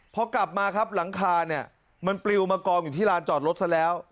พอกลับมาครับหลังคาเนี่ยมันปลิวมากองอยู่ที่ลานจอดรถซะแล้ว